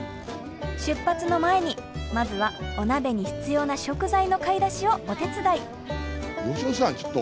出発の前にまずはお鍋に必要な食材の買い出しをお手伝い。